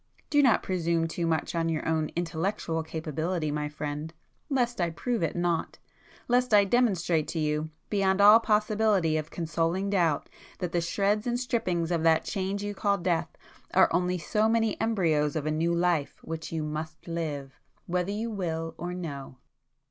Do not presume too much on your own intellectual capability my friend,—lest I prove it naught!—lest I demonstrate to [p 211] you, beyond all possibility of consoling doubt, that the shreds and strippings of that change you call death, are only so many embryos of new life which you must live, whether you will or no!"